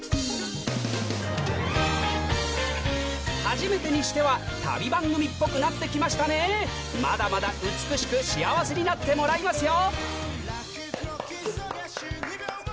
初めてにしては旅番組っぽくなってきましたねまだまだ美しく幸せになってもらいますよ！